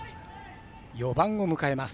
４番を迎えます。